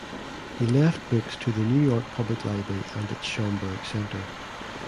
He left books to the New York Public Library and its Schomberg Center.